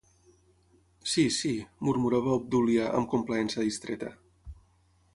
-Sí, sí…- murmurava Obdúlia amb complaença distreta.